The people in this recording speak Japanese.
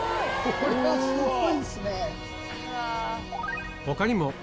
これはすごいっすね。